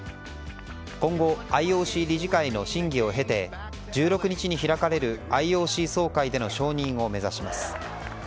今後、ＩＯＣ理事会の審議を経て１６日に開かれるＩＯＣ総会での承認を目指します。